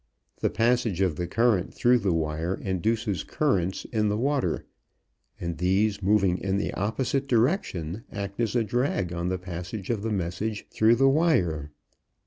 The passage of the current through the wire induces currents in the water, and these moving in the opposite direction act as a drag on the passage of the message through the wire.